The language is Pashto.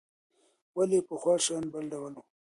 ولې پخوا شیان بل ډول وو؟